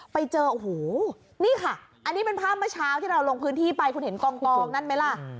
ไปเจอโอ้โหนี่ค่ะอันนี้เป็นภาพเมื่อเช้าที่เราลงพื้นที่ไปคุณเห็นกองนั่นไหมล่ะ